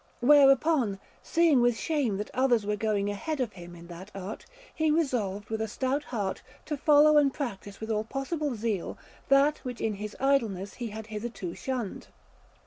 Whereupon, seeing with shame that others were going ahead of him in that art, he resolved with a stout heart to follow and practise with all possible zeal that which in his idleness he had hitherto shunned.